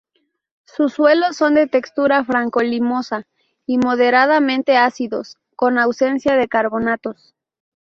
Sus suelos son de textura franco-limosa y moderadamente ácidos, con ausencia de carbonatos.